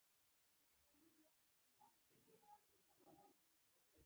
جګړه د هېواد زړه زخمي کوي